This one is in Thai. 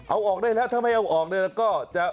เอาออกได้แล้วถ้าไม่เอาออกเนี่ยแล้วก็จะ